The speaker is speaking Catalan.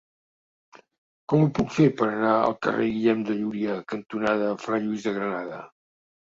Com ho puc fer per anar al carrer Guillem de Llúria cantonada Fra Luis de Granada?